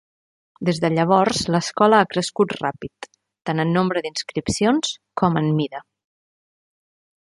Des de llavors, l'escola ha crescut ràpid, tant en nombre d'inscripcions com en mida.